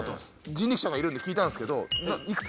人力舎がいるんで聞いたんすけどいくつ？